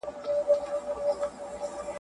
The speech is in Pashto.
چي نارينه هيڅ کله مور نه سي جوړېدلای